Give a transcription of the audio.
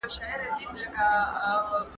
د ژوند سطحه د سواد په ډېرېدو لوړیږي.